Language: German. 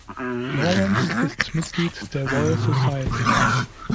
Lawrence ist Mitglied der Royal Society.